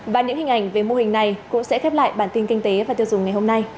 và những hình ảnh về mô hình này cũng sẽ khép lại bản tin kinh tế và tiêu dùng ngày hôm nay